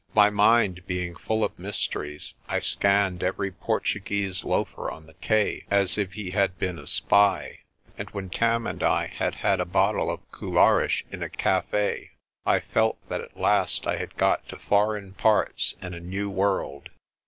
My mind being full of mysteries, I scanned every Portuguese loafer on the quay as if he had been a spy, and when Tam and I had had a bottle of Collares in a cafe I felt that at last I had got to foreign parts and a new world.